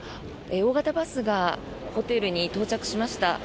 大型バスがホテルに到着しました。